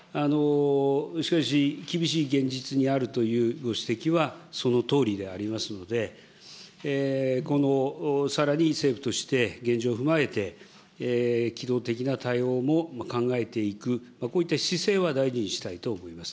しかし、厳しい現実にあるというご指摘はそのとおりでありますので、さらに政府として、現状を踏まえて、機動的な対応も考えていく、こういった姿勢は大事にしたいと思います。